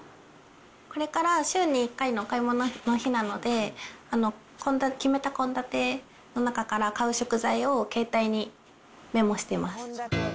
これから週に１回のお買い物の日なので、決めた献立の中から買う食材を携帯にメモしてます。